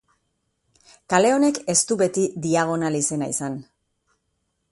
Kale honek ez dut beti Diagonal izena izan.